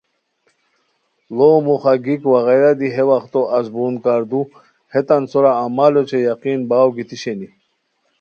ڑو موخہ گیک وغیرہ دی ہے وختو ازبون کاردو ہیتان سورا عمل اوچے یقین باؤ گیتی شینی